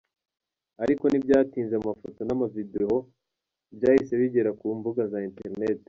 Ariko ntibyatinze amafoto n’amavideo byahise bigera ku mbuga za internet.